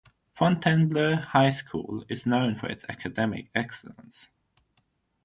Fontainebleau High School is known for its academic excellence.